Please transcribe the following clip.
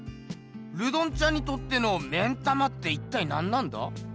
ルドンちゃんにとっての目ん玉って一体なんなんだ？